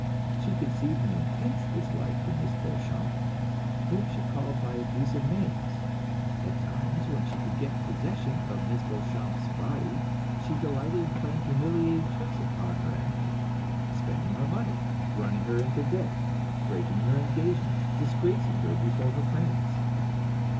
She conceived an intense dislike for Miss Beauchamp, whom she called by abusive names; at times when she could get possession of Miss Beauchamp's body, she delighted in playing humiliating tricks upon her enemy, spending her money, running her into debt, breaking her engagements, disgracing her before her friends.